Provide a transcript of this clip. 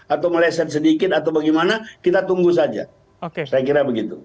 atau meleset sedikit atau bagaimana kita tunggu saja saya kira begitu